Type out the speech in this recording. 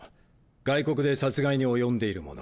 外国で殺害に及んでいるもの